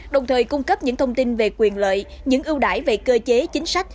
đồng thời cung cấp những thông tin về quyền lợi những ưu đải về cơ chế chính sách